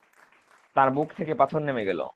তাঁর বুক থেকে পাথর নেমে গেল।